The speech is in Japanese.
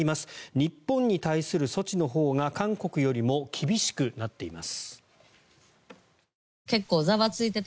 日本に対する措置のほうが韓国よりも厳しくなっています。